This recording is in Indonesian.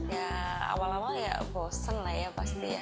ya awal awal ya bosen lah ya pasti ya